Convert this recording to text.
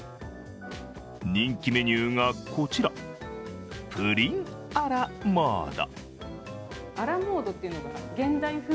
人気メニューがこちら、プリンア・ラ・モード。